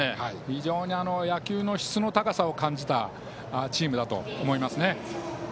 非常に野球の質の高さを感じるチームだと思います。